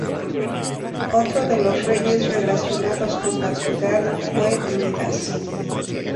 Otro de los reyes relacionados con la ciudad fue Midas.